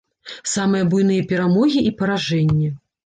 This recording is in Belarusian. Самыя буйныя перамогі і паражэнні.